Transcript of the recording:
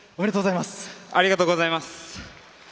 ありがとうございます。